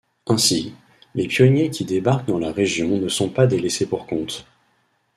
Ainsi, les pionniers qui débarquent dans la région ne sont pas des laissés-pour comptes.